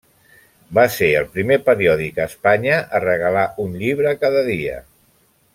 Va ser el primer periòdic a Espanya a regalar un llibre cada dia.